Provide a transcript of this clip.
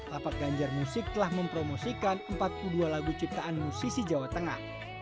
lapak ganjar musik telah mempromosikan empat puluh dua lagu ciptaan musisi jawa tengah